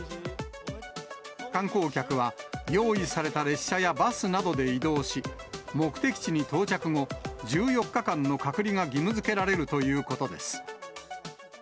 観光客は用意された列車やバスなどで移動し、目的地に到着後、１４日間の隔離が義務づけられるということです。